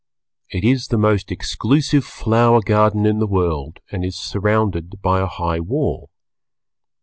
It is the most exclusive flower garden in the world, and is surrounded by a high wall.